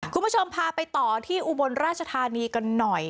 คุณผู้ชมพาไปต่อที่อุบลราชธานีกันหน่อย